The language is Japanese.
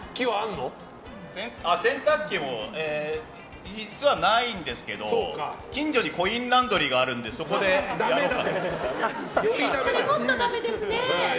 洗濯機もないんですけど近所にコインランドリーがあるのでダメダメ！